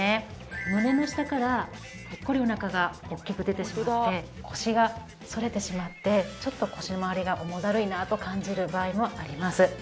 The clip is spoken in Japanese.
胸の下からポッコリお腹が大きく出てしまって腰が反れてしまってちょっと腰まわりが重だるいなと感じる場合もあります。